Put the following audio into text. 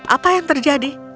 apa yang terjadi